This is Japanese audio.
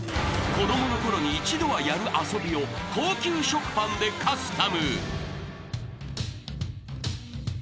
［子供のころに一度はやる遊びを高級食パンでカスタム］